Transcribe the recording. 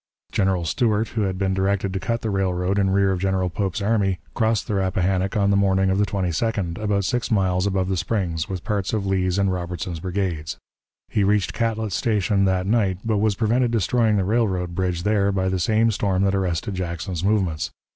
General Stuart, who had been directed to cut the railroad in rear of General Pope's army, crossed the Rappahannock on the morning of the 22d, about six miles above the Springs, with parts of Lee's and Robertson's brigades. He reached Catlet's Station that night, but was prevented destroying the railroad bridge there by the same storm that arrested Jackson's movements.